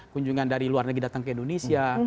kunjungan dari luar negeri datang ke indonesia